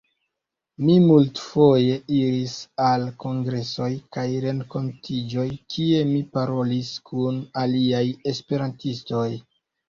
Mi multfoje iris al kongresoj kaj renkontiĝoj, kie mi parolis kun aliaj esperantistoj.